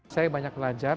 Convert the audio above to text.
saya banyak belajar